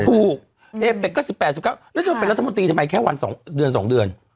ถูกเอเป็กก็๑๘๑๙แล้วเธอเป็นรัฐมนตรีทำไมแค่วัน๒เดือน๒เดือน